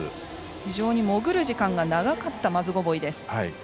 非常に潜る時間が長かったマズゴボイです。